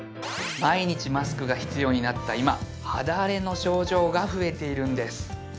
毎日マスクが必要になった今肌荒れの症状が増えているんです